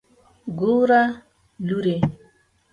ګوره لورې.